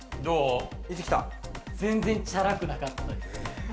全然チャラくなかったです。